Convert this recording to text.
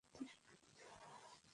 আমার স্বামীকে চিনিস তো?